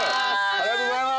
ありがとうございます。